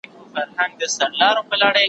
زه به سبا د هنرونو تمرين وکړم!؟